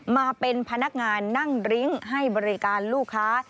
มาเป็นพนักงานนั่งริ้งให้บริการลูกค้า